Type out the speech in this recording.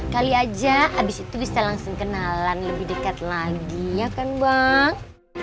kali aja habis itu bisa langsung kenalan lebih dekat lagi ya kan bang